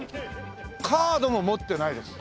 カードも持ってないです。